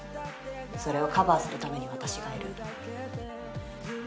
それをカバーするために私がいる。